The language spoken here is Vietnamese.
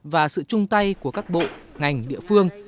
và sự chung tay của các bộ ngành địa phương